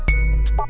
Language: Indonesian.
tidak ada apa apa